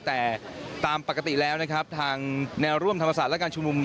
แต่ตามปกติแล้วนะครับทางแนวร่วมธรรมศาสตร์และการชุมนุม